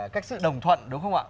cách sự đồng thuận đúng không ạ